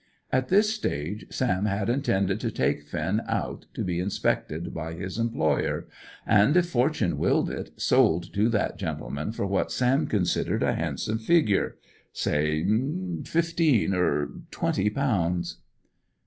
At this stage Sam had intended to take Finn out to be inspected by his employer, and, if fortune willed it, sold to that gentleman for what Sam considered a handsome figure, say, fifteen or twenty pounds.